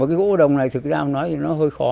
mà cái gỗ ngô đồng này thực ra nói thì nó hơi khó